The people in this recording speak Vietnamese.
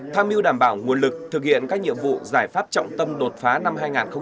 tham mưu đảm bảo nguồn lực thực hiện các nhiệm vụ giải pháp trọng tâm đột phá năm hai nghìn hai mươi